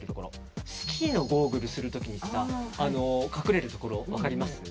スキーのゴーグルする時に隠れるところ、分かります？